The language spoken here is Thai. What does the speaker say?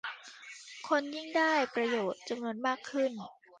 คนยิ่งได้ประโยชน์จำนวนมากขึ้น